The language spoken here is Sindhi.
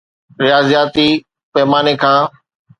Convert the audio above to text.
رياضياتي پيماني کان